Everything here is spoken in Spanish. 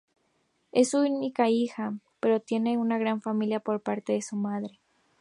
Es hija única, pero tiene una gran familia por parte de su madre.